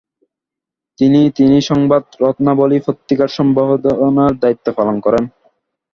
তিনি তিনি সংবাদ রত্নাবলী পত্রিকার সম্পাদনার দায়িত্ব পালন করেন।